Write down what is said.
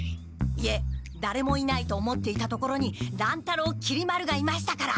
いえだれもいないと思っていたところに乱太郎きり丸がいましたから。